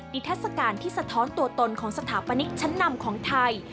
ทัศกาลที่สะท้อนตัวตนของสถาปนิกชั้นนำของไทย